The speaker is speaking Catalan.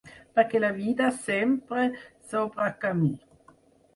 Perquè la vida sempre s’obre camí.